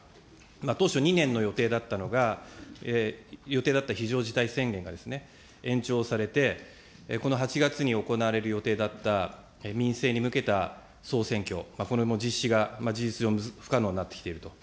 当初２年の予定だったのが、予定だった非常事態宣言がですね、延長されて、この８月に行われる予定だった民政に向けた総選挙、これも実施が事実上不可能になってきていると。